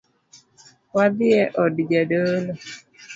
Wadhie od jadolo.